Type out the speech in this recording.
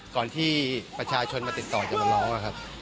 ก่อนที่ประชาชนมาติดต่อจะมาร้องนะครับ